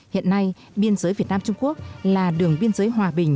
hiện nay biên giới việt nam trung quốc là đường biên giới hòa bình